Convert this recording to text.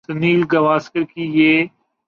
سنیل گواسکر کی یہ